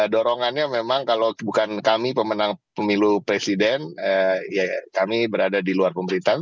dorongannya memang kalau bukan kami pemenang pemilu presiden ya kami berada di luar pemerintahan